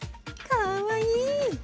かわいい。